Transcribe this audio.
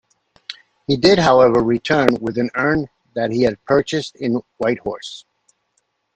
He did however return with an urn that he had purchased in Whitehorse.